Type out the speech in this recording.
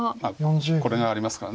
これがありますから。